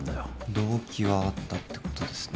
動機はあったってことですね